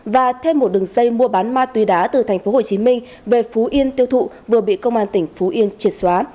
và thêm một đường dây mua bán ma túy đá từ thành phố hồ chí minh về phú yên tiêu thụ vừa bị công an tỉnh phú yên triệt xóa